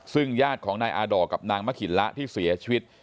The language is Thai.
ซึ่งญาติของนายอาดอลกับนางมะขินละที่เสียชีวิต